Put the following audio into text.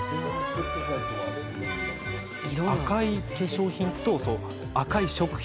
赤い化粧品と赤い食品。